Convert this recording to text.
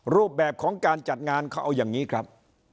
รูปแบบของการจัดงานเขาเอาอย่างนี้ครับ